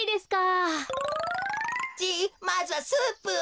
じいまずはスープを。